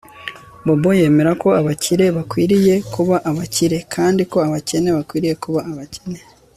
Bobo yemera ko abakire bakwiriye kuba abakire kandi ko abakene bakwiriye kuba abakene